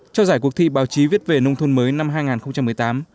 cho giải cuộc thi báo chí viết về nông thôn mới năm hai nghìn một mươi tám